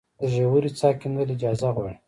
د ژورې څاه کیندل اجازه غواړي؟